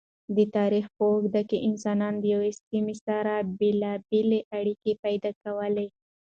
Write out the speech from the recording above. د تاریخ په اوږدو کی انسانانو د یوی سمی سره بیلابیلی اړیکی پیدا کولی